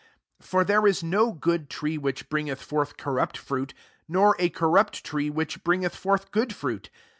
43 " For there is no good tree which bringeth forth corrupt fruit ; nor a corrupt tree which bringeth forth good fruit.